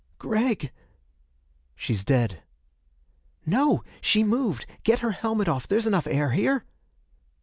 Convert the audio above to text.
"Gregg!" "She's dead." "No! She moved! Get her helmet off! There's enough air here."